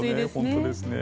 本当ですね。